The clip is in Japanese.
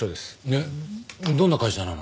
えっどんな会社なの？